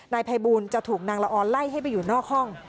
นายภัยบูลจะถูกนางละออนไล่ให้ไปอยู่นอกห้อง